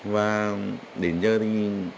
và đến giờ thì